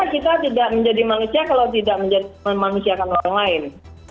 kita tidak menjadi manusia kalau tidak memanusiakan orang lain